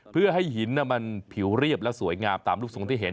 เพื่อให้หินมันผิวเรียบและสวยงามตามลูกทรงที่เห็น